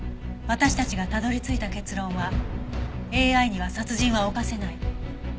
私たちがたどり着いた結論はＡＩには殺人は犯せない。